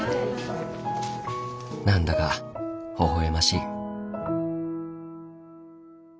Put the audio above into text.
何だかほほ笑ましい。